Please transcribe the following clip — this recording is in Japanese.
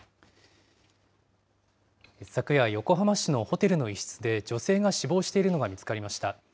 昨夜、横浜市のホテルの一室で女性が死亡しているのが見つかりました。